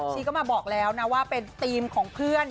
ชีก็มาบอกแล้วนะว่าเป็นธีมของเพื่อน